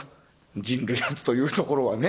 人類初というところはね。